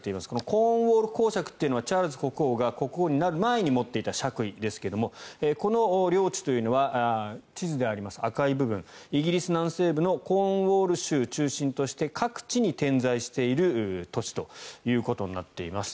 コーンウォール公領というのはチャールズ国王が国王になる前に持っていた爵位ですがこの領地は地図の赤い部分イギリス南西部のコーンウォール州中心として各地に点在している土地ということになっています。